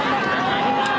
masa asli sudah bergeser